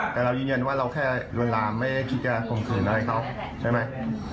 แต่เรายืนยันว่าเราแค่ลวนลามไม่ได้คิดจะข่มขืนอะไรเขาใช่ไหม